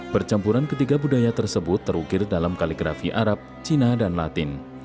percampuran ketiga budaya tersebut terukir dalam kaligrafi arab cina dan latin